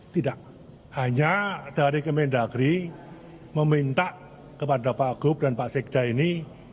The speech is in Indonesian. tidak hanya dari kementerian negeri meminta kepada pak agub dan pak sekda ini